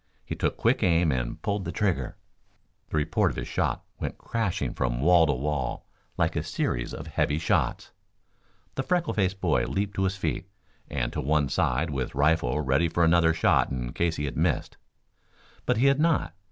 He took quick aim and pulled the trigger. The report of his shot went crashing from wall to wall, like a series of heavy shots. [Illustration: He Raised His Rifle Slowly.] The freckle faced boy leaped to his feet, and to one side, with rifle ready for another shot in case he had missed. But he had not.